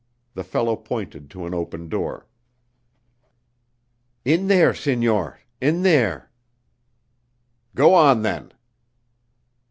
The fellow pointed to an open door. "In there, signor. In there." "Go on, then."